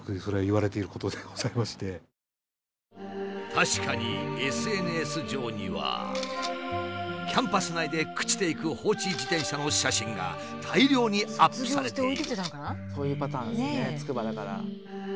確かにＳＮＳ上にはキャンパス内で朽ちていく放置自転車の写真が大量にアップされている。